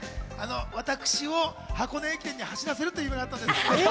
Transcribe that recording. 私を箱根駅伝に走らせるという夢があったんですって。